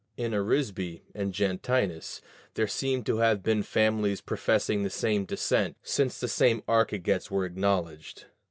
In Arisbe and Gentinus there seem to have been families professing the same descent, since the same archegets were acknowledged.